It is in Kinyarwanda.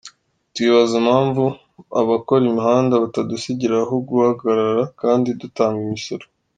Twibaza impamvu abakora imihanda batadusigira aho guhagarara kandi dutanga imisoro.